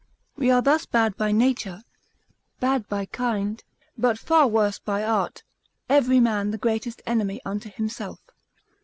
We are thus bad by nature, bad by kind, but far worse by art, every man the greatest enemy unto himself.